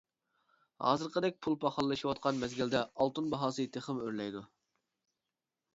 ھازىرقىدەك پۇل پاخاللىشىۋاتقان مەزگىلدە ئالتۇن باھاسى تېخىمۇ ئۆرلەيدۇ.